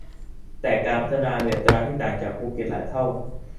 แต่การพัฒนามีอัตราที่ต่างจากภูเก็ตหลายเท่า